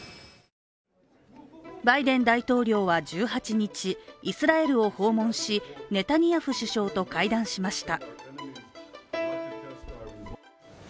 バイデン大統領は１８日、イスラエルを訪問しネタニヤフ首相と会談しました。